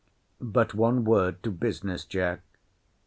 But one word to business, Jack.